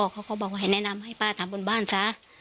เขาก็บอกว่าให้แนะนำให้ป้าทำบนบ้านซะ